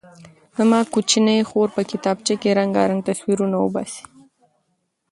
زما کوچنۍ خور په کتابچه کې رنګارنګ تصویرونه وباسي.